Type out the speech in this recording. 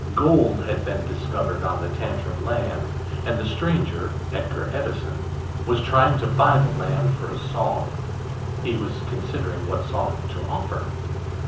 Gold had been discovered on the Tantrum land, and the stranger, Edgar Edison, was trying to buy the land for a song. He was considering what song to offer.